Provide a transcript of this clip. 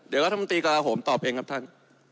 เดี๋ยวรัฐมนตรีกระลาโหมตอบเองครับท่าน